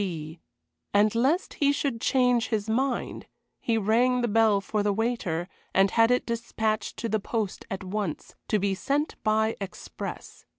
B. And lest he should change his mind, he rang the bell for the waiter, and had it despatched to the post at once to be sent by express.